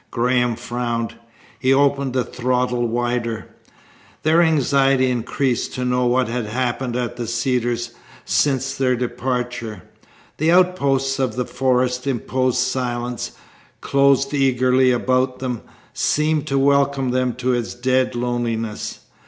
Graham frowned. He opened the throttle wider. Their anxiety increased to know what had happened at the Cedars since their departure. The outposts of the forest imposed silence, closed eagerly about them, seemed to welcome them to its dead loneliness.